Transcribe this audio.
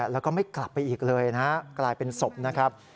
แล้วก็ไม่กลับไปอีกเลยนะฮะกลายเป็นศพนะครับ